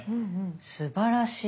すばらしい。